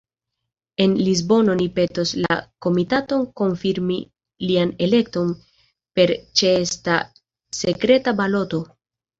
En Lisbono ni petos la Komitaton konfirmi lian elekton per ĉeesta sekreta baloto.